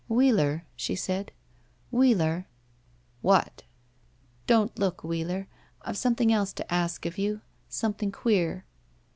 "Wheeler?" she said. "Wheeler?" "What?" "Don't look, Wheeler. I've something else to ask of you — something queer."